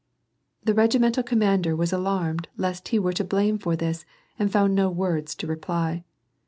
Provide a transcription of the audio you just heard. The regimental commander was alarmed lest he were to blame for this and found no words to reply.